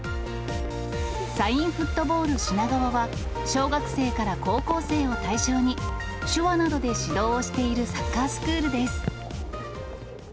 サインフットボールしながわは、小学生から高校生を対象に、手話などで指導をしているサッカースクールです。